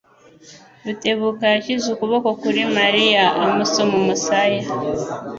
Rutebuka yashyize ukuboko kuri Mariya amusoma umusaya.